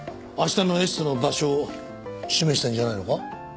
明日のエステの場所を示したんじゃないのか？